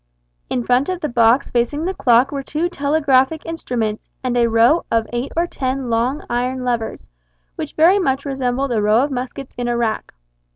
In front of the box facing the clock were two telegraphic instruments, and a row of eight or ten long iron levers, which very much resembled a row of muskets in a rack.